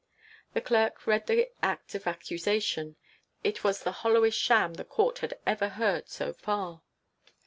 The Clerk read the act of accusation; it was the hollowest sham the Court had ever heard so far.